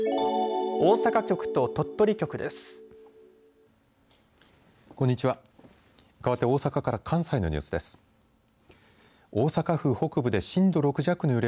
大阪局と鳥取局です。